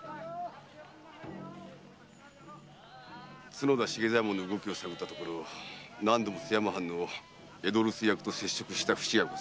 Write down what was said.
角田茂左衛門の動きを探ったところ何度も津山藩の江戸留守居役と接触した節がございます。